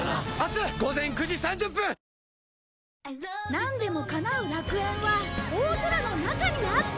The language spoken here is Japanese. なんでも叶う楽園は大空の中にあった